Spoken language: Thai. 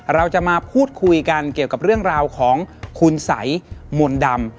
เราจะมาพูดคุยกันเกี่ยวกับเรื่องราวของคุณสัยมนต์ดำ